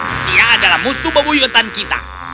setia adalah musuh bebuyutan kita